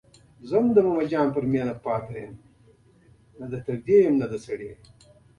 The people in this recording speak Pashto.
که یواځې ستر مغز غوره وی، نورو حیواناتو هم ستر مغز لرلی شوی.